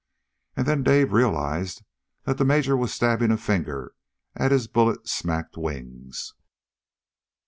And then Dave realized that the Major was stabbing a finger at his bullet smacked wings.